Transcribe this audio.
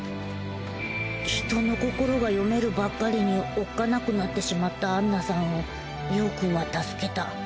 人の心が読めるばっかりにおっかなくなってしまったアンナさんを葉くんは助けた。